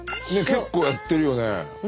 結構やってるよね？